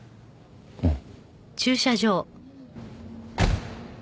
うん。